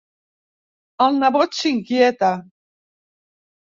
El nebot s'inquieta.